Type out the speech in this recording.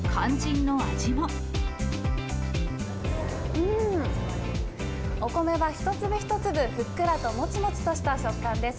うん、お米は一粒一粒ふっくらともちもちとした食感です。